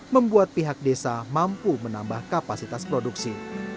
membuat pihak desa mampu menambah kapasitas produksi